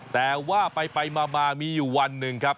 แต่ว่าไปมามีวันนึงครับ